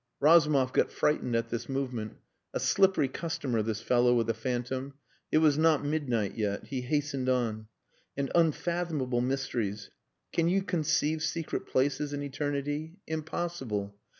Razumov got frightened at this movement. A slippery customer this fellow with a phantom. It was not midnight yet. He hastened on "And unfathomable mysteries! Can you conceive secret places in Eternity? Impossible.